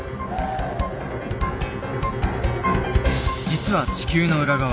実は地球の裏側